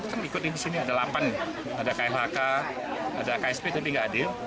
kan ikutin disini ada delapan ada khk ada ksp tapi tidak ada